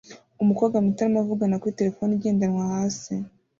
Umukobwa muto arimo avugana kuri terefone igendanwa hasi